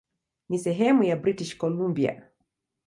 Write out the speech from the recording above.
Ni sehemu ya British Columbia.